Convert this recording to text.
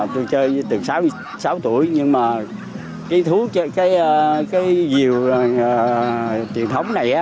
tôi chơi từ sáu tuổi nhưng mà cái diều truyền thống này